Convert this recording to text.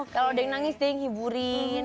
kalau ada yang nangis deh yang hiburin